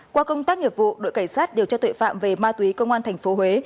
qua công tác nghiệp vụ đội cảnh sát điều tra tuệ phạm về ma túy công an tp huế